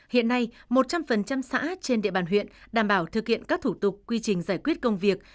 hiện nay một trăm linh xã trên địa bàn huyện đảm bảo thực hiện các thủ tục quy trình giải quyết công việc